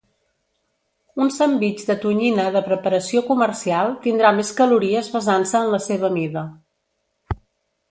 Un sandvitx de tonyina de preparació comercial tindrà més calories basant-se en la seva mida.